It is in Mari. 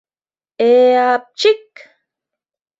Э-а-апчик!